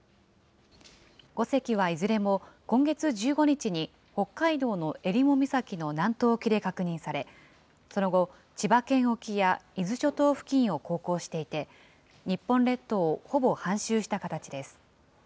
５隻はいずれも、今月１５日に北海道の襟裳岬の南東沖で確認され、その後、千葉県沖や伊豆諸島付近を航行していて、日本列島をほぼ半周した形です。